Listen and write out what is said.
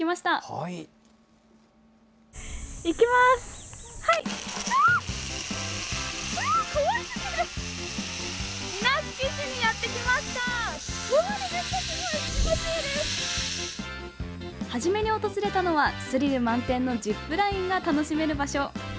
はじめに訪れたのはスリル満点のジップラインが楽しめる場所。